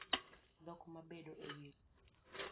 Dhok ma bedo e wiI